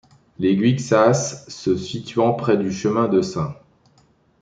Les Güixas se situant près du Chemin de St.